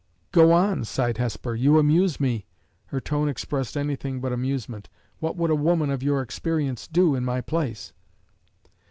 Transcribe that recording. "Go on," sighed Hesper; "you amuse me." Her tone expressed anything but amusement. "What would a woman of your experience do in my place?"